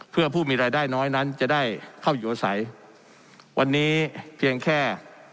เพื่อผู้มีรายได้น้อยนั้นจะได้เข้าอยู่อาศัยวันนี้เพียงแค่